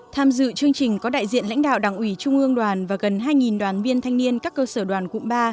tham dự chương trình có đại diện lãnh đạo đảng ủy trung ương đoàn và gần hai đoàn viên thanh niên các cơ sở đoàn cụm ba